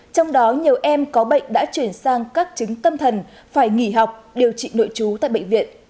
trong đó nhiều em có bệnh đã chuyển sang các chứng tâm thần phải nghỉ học điều trị nội trú tại bệnh viện